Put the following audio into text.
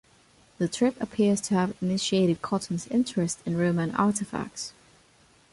The trip appears to have initiated Cotton's interest in Roman artefacts.